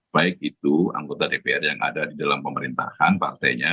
baik itu anggota dpr yang ada di dalam pemerintahan partainya